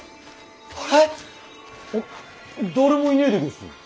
誰もいねえでげす。